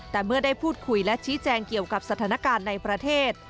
แต่เมื่อได้พูดคุยและชี้แจงเกี่ยวกับสถานการณ์ในประเทศ